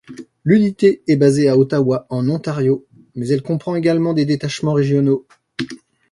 L'unité est basée à Ottawa en Ontario, mais elle comprend également des détachements régionaux.